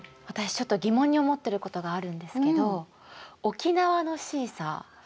私ちょっと疑問に思ってることがあるんですけど沖縄のシーサー